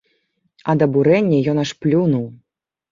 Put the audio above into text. Ад абурэння ён аж плюнуў.